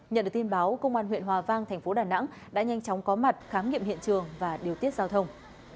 nhận được tin báo công an huyện hòa vang thành phố đà nẵng đã nhanh chóng có mặt khám nghiệm hiện trường và điều tiết giao thông